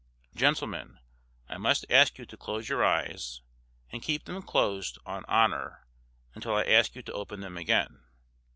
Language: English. "Gentlemen, I must ask you to close your eyes, and keep them closed, on honor, until I ask you to open them again.